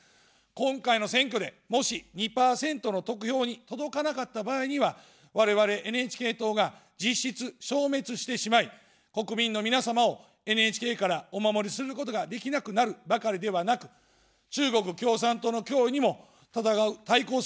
今回の選挙で、もし２％の得票に届かなかった場合には、我々ＮＨＫ党が実質、消滅してしまい、国民の皆様をＮＨＫからお守りすることができなくなるばかりではなく、中国共産党の脅威にも対抗することができなくなってしまいます。